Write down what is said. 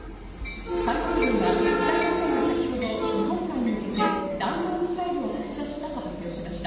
韓国軍は北朝鮮が先ほど日本海に向けて弾道ミサイルを発射したと発表しました。